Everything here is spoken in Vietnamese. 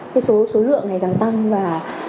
cái số lượng ngày càng tăng và